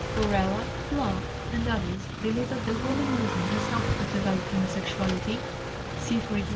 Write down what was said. Kurella, Bloch, and others believe that the woman movement has helped to develop homosexuality (see, e.g.